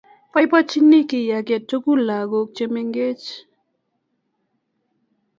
Boiboichini kiy age tugul lagok che mengechen